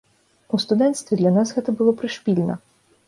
У студэнцтве для нас гэта было прышпільна.